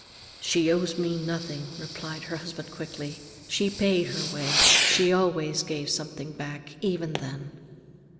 "She owes me nothing," replied her husband quickly. "She paid her way. She always gave something back, even then."